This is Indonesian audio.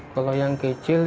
kalau yang kecil